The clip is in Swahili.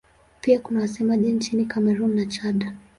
Pia kuna wasemaji nchini Kamerun na Chad.